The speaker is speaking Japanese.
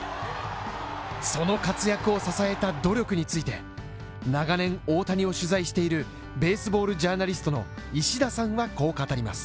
その活躍を支えた努力について長年、大谷を取材しているベースボールジャーナリストの石田さんはこう語ります。